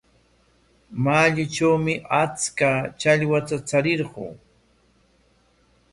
Mayutrawmi achka challwata charirquu.